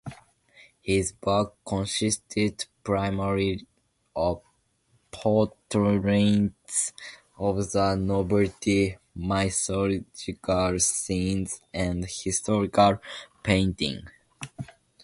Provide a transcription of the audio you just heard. His work consisted primarily of portraits of the nobility, mythological scenes, and historical paintings.